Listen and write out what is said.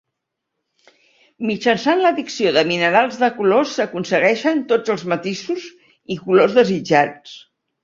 Mitjançant l'addició de minerals de colors s'aconsegueixen tots els matisos i colors desitjats.